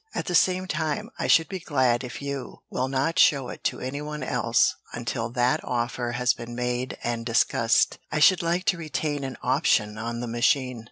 At the same time I should be glad if you will not show it to anyone else until that offer has been made and discussed; I should like to retain an option on the machine."